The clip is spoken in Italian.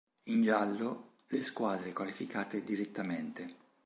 In giallo le squadre qualificate direttamente.